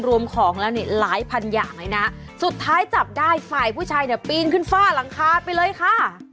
รวมของแล้วนี่หลายพันอย่างเลยนะสุดท้ายจับได้ฝ่ายผู้ชายเนี่ยปีนขึ้นฝ้าหลังคาไปเลยค่ะ